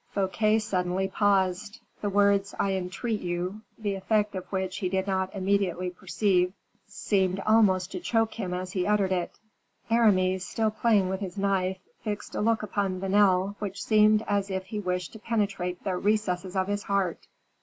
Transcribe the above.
Fouquet suddenly paused. The words "I entreat you," the effect of which he did not immediately perceive, seemed almost to choke him as he uttered it. Aramis, still playing with his knife, fixed a look upon Vanel which seemed as if he wished to penetrate the recesses of his heart.